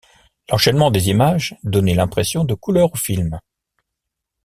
L'enchaînement des images donnait l'impression de couleur au film.